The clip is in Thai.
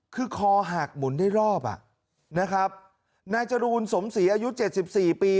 คือคอหากหมุนได้รอบอ่ะนะครับนายจรุงสมศรีอายุ๗๔ปี